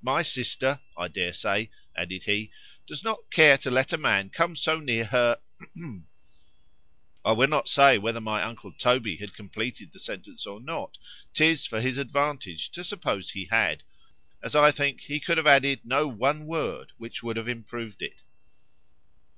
—My sister, I dare say, added he, does not care to let a man come so near her . I will not say whether my uncle Toby had completed the sentence or not;—'tis for his advantage to suppose he had,——as, I think, he could have added no ONE WORD which would have improved it.